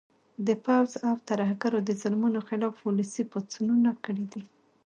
د پوځ او ترهګرو د ظلمونو خلاف ولسي پاڅونونه کړي دي